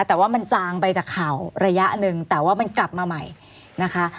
แต่ว่ามันจางไปจากข่าวระยะหนึ่งแต่ว่ามันกลับมาใหม่นะคะ